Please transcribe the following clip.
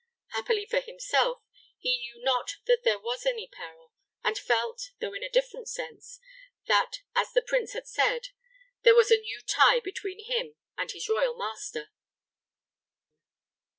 Happily for himself, he knew not that there was any peril, and felt, though in a different sense, that, as the prince had said, there was a new tie between him and his royal master.